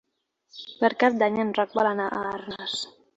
Per Cap d'Any en Roc vol anar a Arnes.